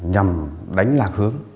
nhằm đánh lạc hướng